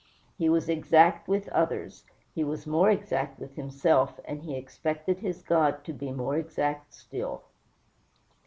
He was exact with others; he was more exact with himself, and he expected his God to be more exact still.